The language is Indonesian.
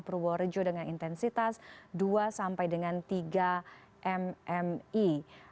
purworejo dengan intensitas dua tiga mmi